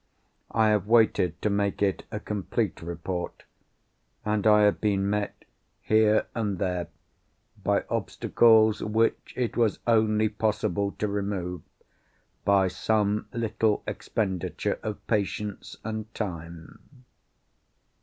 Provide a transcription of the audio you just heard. I have waited to make it a complete Report; and I have been met, here and there, by obstacles which it was only possible to remove by some little expenditure of patience and time.